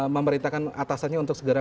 memerintahkan atasannya untuk segera